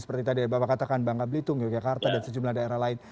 seperti tadi bapak katakan bangka belitung yogyakarta dan sejumlah daerah lain